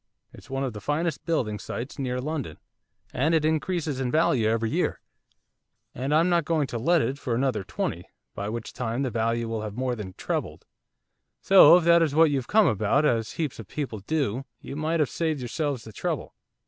It's one of the finest building sites near London, and it increases in value every year, and I'm not going to let it for another twenty, by which time the value will have more than trebled, so if that is what you've come about, as heaps of people do, you might have saved yourselves the trouble.